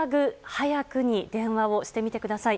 ・はやくに電話をしてみてください。